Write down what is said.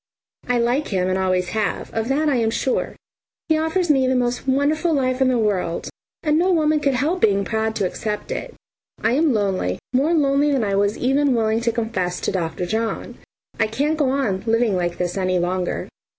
I like him and always have, of that I am sure. He offers me the most wonderful life in the world, and no woman could help being proud to accept it. I am lonely, more lonely than I was even willing to confess to Dr. John. I can't go on living like this any longer.